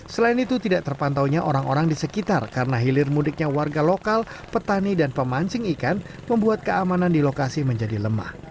selain itu tidak terpantaunya orang orang di sekitar karena hilir mudiknya warga lokal petani dan pemancing ikan membuat keamanan di lokasi menjadi lemah